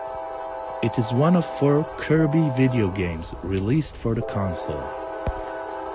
It is one of four "Kirby" video games released for the console.